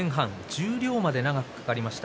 十両まで長くかかりました。